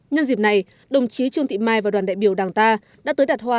nhân dịp này đồng chí trương thị mai và đoàn đại biểu đảng ta đã tới đặt hoa